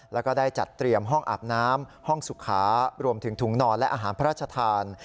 แล้วก็ได้จัดเตรียมห้องอาบน้ำห้องสุขารวมถึงถุงนอนและอาหารพระราชทาน